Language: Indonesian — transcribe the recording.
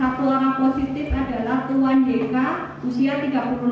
satu orang positif adalah tuan deka usia tiga puluh enam tahun